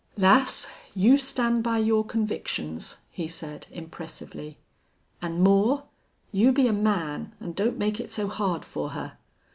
"Lass, you stand by your convictions," he said, impressively. "An' Moore, you be a man an' don't make it so hard for her.